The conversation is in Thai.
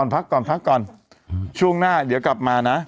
พักก่อนส่วนหน้าเดี๋ยวกลับมานะ